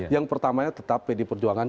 yang pertamanya tetap pdi perjuangan